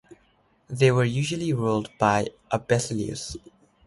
They were usually ruled by a basileus.